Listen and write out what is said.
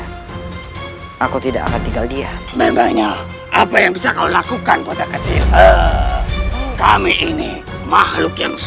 hai aku tidak akan tinggal dia membayangap apa yang bisa kau lakukan kota kecil he he kami ini haji kita harus member